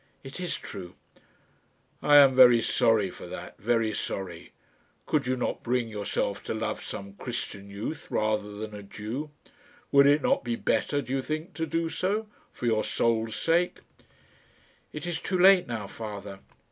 "It is true." "I am very sorry for that very sorry. Could you not bring yourself to love some Christian youth, rather than a Jew? Would it not be better, do you think, to do so for your soul's sake?" "It is too late now, Father."